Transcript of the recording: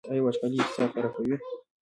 آیا وچکالي اقتصاد خرابوي؟